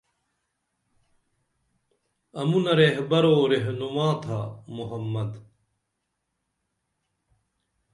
امونہ رہبر و رہنما تھا محمد